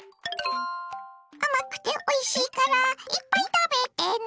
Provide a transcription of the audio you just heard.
甘くておいしいからいっぱい食べてね！